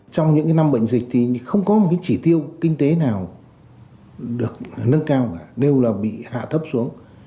trong những năm bệnh dịch thì không có một cái chỉ tiêu kinh tế nào được nâng cao cả đều là bị hạ thấp xuống